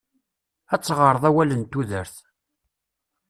Ad teɣreḍ awal n tudert.